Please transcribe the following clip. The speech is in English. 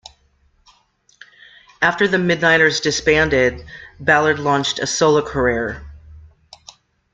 After the Midnighters disbanded, Ballard launched a solo career.